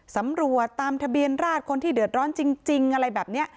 สำรวจตามทะเบียนราชคนที่เดือดร้อนจริงอะไรแบบนี้